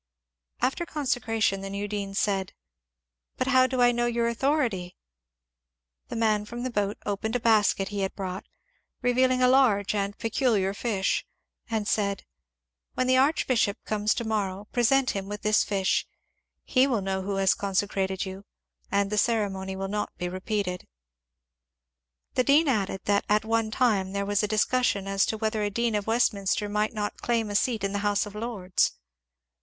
After consecration the new dean said, ^^ But how do I know your authority ?" The man from the boat opened a basket he had brought, revealing a large and peculiar fish, and said, ^^ When the archbishop comes to morrow present him with this fish ; he will know who has consecrated you and the ceremony will not be repeated." The dean added that at one time there was a discussion as to whether a dean of Westminster might not claim a seat in the House of Lords.